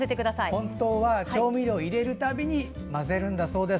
本当は調味料を入れるたび混ぜるそうです。